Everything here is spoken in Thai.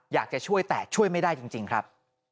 อยากจะช่วยแต่ช่วยไม่ได้จริงครับ